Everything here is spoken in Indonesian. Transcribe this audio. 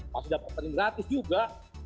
masih dapat vaksin gratis juga